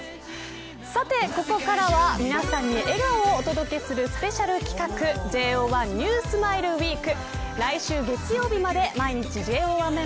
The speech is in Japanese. さて、ここからは皆さんに笑顔をお届けするスペシャル企画ＪＯ１ＮＥＷＳｍｉｌｅＷｅｅｋ。